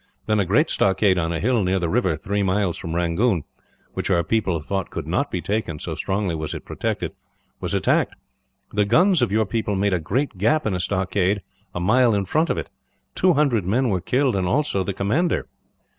Then a great stockade on a hill near the river, three miles from Rangoon which our people thought could not be taken, so strongly was it protected was attacked. The guns of your people made a great gap in a stockade a mile in front of it. Two hundred men were killed, and also the commander.